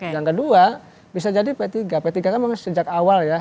yang kedua bisa jadi p tiga p tiga kan memang sejak awal ya